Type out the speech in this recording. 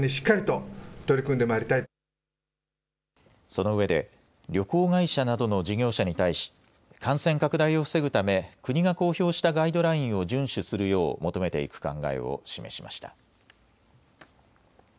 そのうえで旅行会社などの事業者に対し感染拡大を防ぐため国が公表したガイドラインを順守するよう求めていく考えを示しました。